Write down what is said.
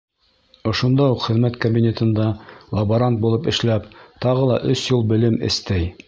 Ошонда уҡ хеҙмәт кабинетында лаборант булып эшләп, тағы өс йыл белем эстәй.